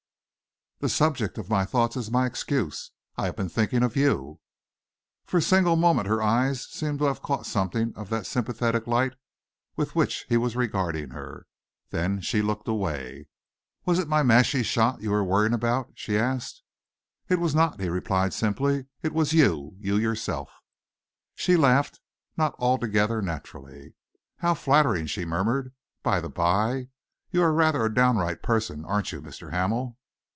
"The subject of my thoughts is my excuse. I have been thinking of you." For a single moment her eyes seemed to have caught something of that sympathetic light with which he was regarding her. Then she looked away. "Was it my mashie shots you were worrying about?" she asked. "It was not," he replied simply. "It was you you yourself." She laughed, not altogether naturally. "How flattering!" she murmured. "By the by, you are rather a downright person, aren't you, Mr. Hamel?"